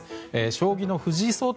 将棋の藤井聡太